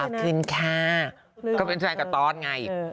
ขอบคุณค่ะก็เป็นแฟนกับตอดไง